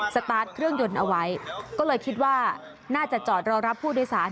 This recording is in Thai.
สตาร์ทเครื่องยนต์เอาไว้ก็เลยคิดว่าน่าจะจอดรอรับผู้โดยสาร